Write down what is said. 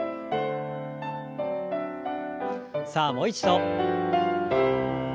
さあもう一度。